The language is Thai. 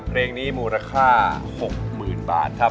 เพลงนี้มูลค่า๖๐๐๐บาทครับ